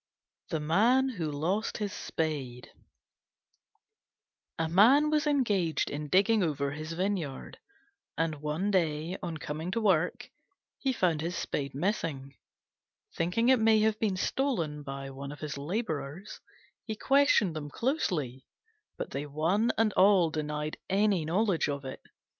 THE MAN WHO LOST HIS SPADE A Man was engaged in digging over his vineyard, and one day on coming to work he missed his Spade. Thinking it may have been stolen by one of his labourers, he questioned them closely, but they one and all denied any knowledge of it.